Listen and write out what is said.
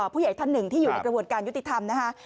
ผู้ใหญ่ท่านหนึ่งที่อยู่ในกระบวนการยุติธรรมนะคะ